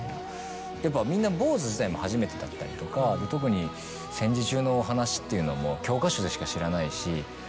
やっぱみんな坊ず自体も初めてだったりとか特に戦時中のお話っていうのも教科書でしか知らないし。